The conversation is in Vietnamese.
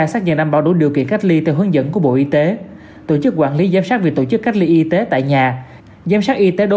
và xác nhận đảm bảo đủ điều kiện cách ly theo hướng dẫn của bộ y tế